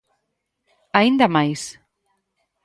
Aínda máis.